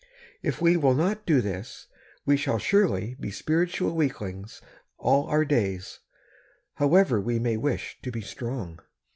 If we will not do this, we shall surely be spiritual weaklings all our days, however we may wish to be strong.